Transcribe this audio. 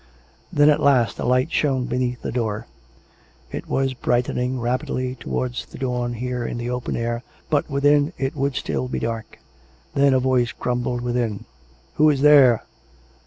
Then at last a light shone beneath the door. (It was brightening rapidly towards the dawn here in the open air, but within it would still be dark.) Then a voice grumbled within. " Who is there?